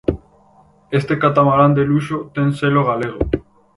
Este catamarán de luxo ten selo galego.